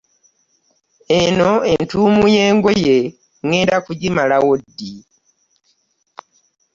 Eno entuumu y'engoye ŋŋenda kugimalawo ddi?